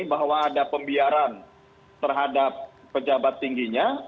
bahwa ada pembiaran terhadap pejabat tingginya